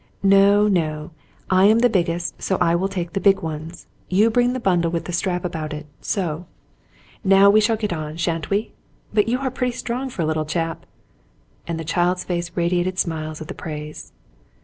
"No, no. I am the biggest, so I'll take the big ones. You bring the bundle with the strap around it — so. 6 The Mountain Girl Now we shall get on, shan't we ? But you are pretty strong for a little chap;" and the child's face radiated smiles at the praise.